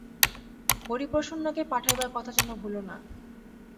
হরিপ্রসন্নকে পাঠাইবার কথা যেন ভুলো না।